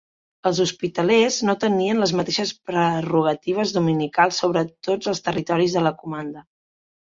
Els hospitalers no tenien les mateixes prerrogatives dominicals sobre tots els territoris de la comanda.